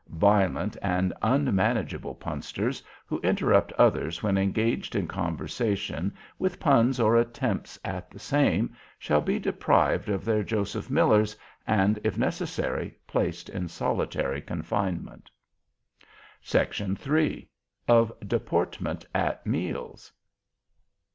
Violent and unmanageable Punsters, who interrupt others when engaged in conversation, with Puns or attempts at the same, shall be deprived of their Joseph Millers, and, if necessary, placed in solitary confinement. SECT. III. OF DEPORTMENT AT MEALS.